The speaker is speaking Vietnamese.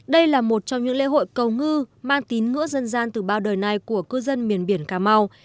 đây là một trong những lễ hội cầu ngư mang tín ngưỡng dân gian từ bao đời này của cư dân miền biển cà mau